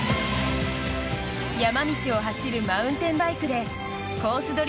山道を走るマウンテンバイクでコース